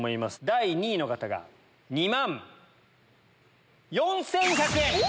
第２位の方が２万４１００円！